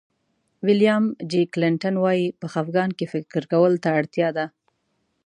ویلیام جي کلنټن وایي په خفګان کې فکر کولو ته اړتیا ده.